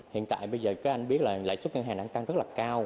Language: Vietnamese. hiện tại bây giờ các anh biết là lãi suất ngân hàng đang tăng rất là cao